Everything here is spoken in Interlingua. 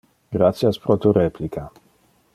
Gratias pro tu replica.